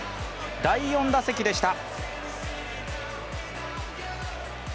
第４打席でした！